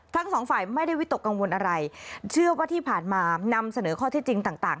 ทั้งสองฝ่ายไม่ได้วิตกกังวลอะไรเชื่อว่าที่ผ่านมานำเสนอข้อที่จริงต่างต่าง